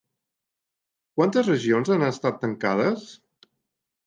Quantes regions han estat tancades?